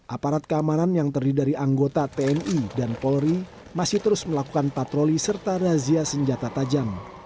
aparat keamanan yang terdiri dari anggota tni dan polri masih terus melakukan patroli serta razia senjata tajam